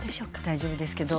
大丈夫ですけど。